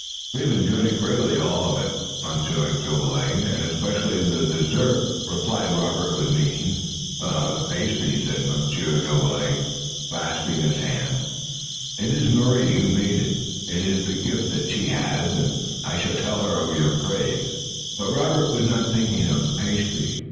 "We have enjoyed it greatly, all of it, Monsieur Jolivet, and especially the dessert," replied Robert with meaning. "Ah, the pastry," said Monsieur Jolivet, clasping his hands. "It is Marie who made it. It is the gift that she has, and I shall tell her of your praise." But Robert was not thinking of the pastry.